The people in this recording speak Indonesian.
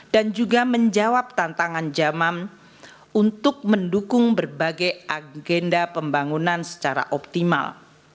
dan juga menjawab tantangan jaman untuk mendukung berbagai agenda pembangunan secara optimal